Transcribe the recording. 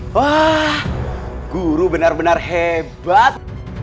wah guru benar benar hebat